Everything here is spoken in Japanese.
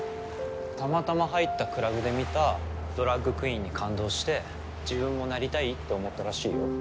たまたま入ったクラブで見たドラァグクイーンに感動して自分もなりたいって思ったらしいよ。